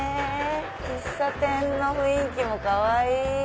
喫茶店の雰囲気もかわいい！